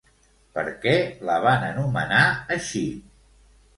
Per què la van anomenar així?